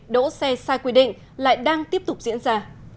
đỗ xe sai quy định lại đang tiếp tục diễn ra